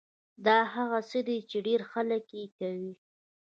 دا هغه څه دي چې ډېر خلک يې کوي.